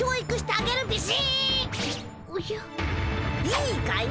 いいかい？